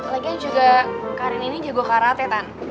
lagian juga karin ini jago karate tan